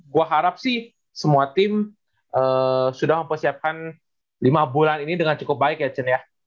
gue harap sih semua tim sudah mempersiapkan lima bulan ini dengan cukup baik ya chen ya